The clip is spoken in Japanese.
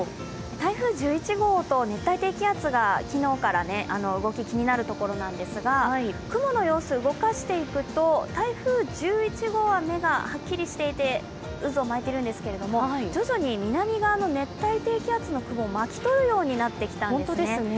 台風１１号と熱帯低気圧が昨日から動き、気になるところなんですが雲の様子、動かしていくと、台風１１号は目がはっきりしていて渦を巻いているんですけれども、徐々に南側の熱帯低気圧の雲を巻き取るようになってきたんですね。